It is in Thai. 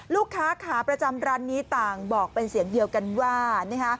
ลูกค้าขาประจำร้านนี้ต่างบอกเป็นเสียงเดียวกันว่า